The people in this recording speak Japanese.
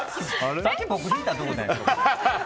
さっき僕引いたところ。